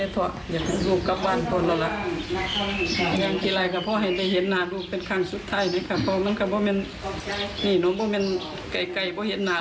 ตายครั้งเกินก็นอนไม่ได้